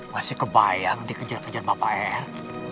masih kebayang dikejar kejar bapak r